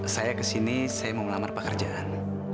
saya ke sini saya mau melamar pekerjaan